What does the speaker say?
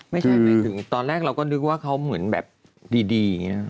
ไม่ใช่หมายถึงตอนแรกเราก็นึกว่าเขาเหมือนแบบดีอย่างนี้